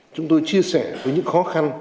chúng tôi chia sẻ với những khó khăn